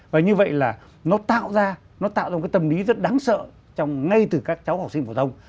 và như vậy là nó tạo ra nó tạo ra một cái tâm lý rất đáng sợ ngay từ các cháu học sinh phổ thông